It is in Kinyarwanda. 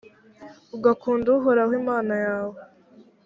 ugakunda uhoraho imana yawe